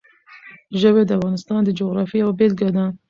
ژبې د افغانستان د جغرافیې یوه بېلګه ده.